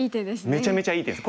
めちゃめちゃいい手です。